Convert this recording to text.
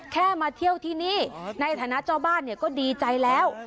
แค่มาเที่ยวที่นี่ในฐานะเจ้าบ้านเนี่ยก็ดีใจแล้ว